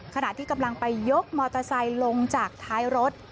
ขณะที่กำลังไปยกมอเตอร์ไซค์ลงจากท้ายรถ